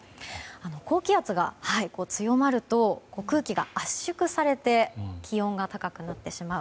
高気圧が強まると空気が圧縮されて気温が高くなってしまう。